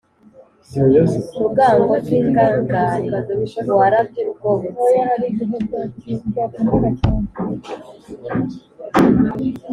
Rugango rw'ingangare waratugobotse